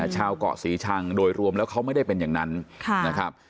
ชาวเกาะศรีชังโดยรวมแล้วเขาไม่ได้เป็นอย่างนั้นนะครับ